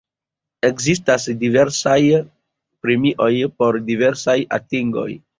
Ekzistas diversaj premioj por diversaj atingoj.